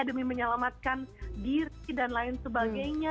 demi menyelamatkan diri dan lain sebagainya